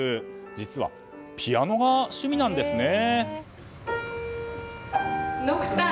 実はピアノが趣味なんですね。